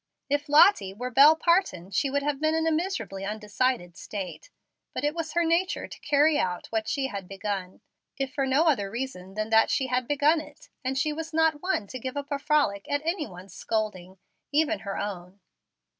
If Lottie were Bel Parton, she would have been in a miserably undecided state. But it was her nature to carry out what she had begun, if for no other reason than that she had begun it, and she was not one to give up a frolic at anyone's scolding, even her own.